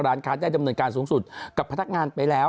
ร้านค้าได้ดำเนินการสูงสุดกับพนักงานไปแล้ว